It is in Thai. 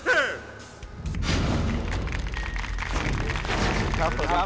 สวัสดีครับสวัสดีครับ